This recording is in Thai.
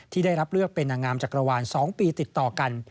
ที่ได้รับเลือกเป็นนางงามจักรวาล๒ปีติดต่อกัน